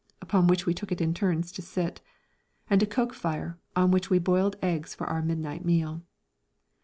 upon which we took it in turns to sit) and a coke fire, on which we boiled eggs for our midnight meal.